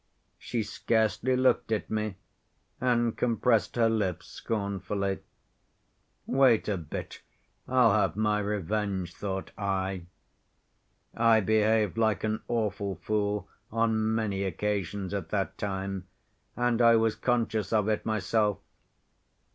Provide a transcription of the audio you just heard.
She scarcely looked at me, and compressed her lips scornfully. 'Wait a bit. I'll have my revenge,' thought I. I behaved like an awful fool on many occasions at that time, and I was conscious of it myself.